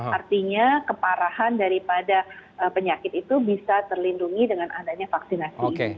artinya keparahan daripada penyakit itu bisa terlindungi dengan adanya vaksinasi